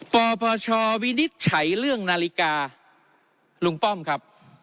ปปชวินิจฉัยเรื่องนาฬิกาลุงป้อมครับ